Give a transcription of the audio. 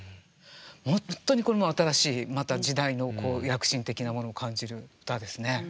本当にこれも新しいまた時代の躍進的なものを感じる歌ですね。